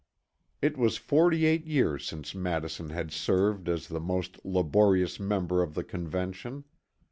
It was 48 years since Madison had served as the most laborious member of the Convention.